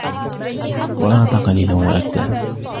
وأعطى قليلا وأكدى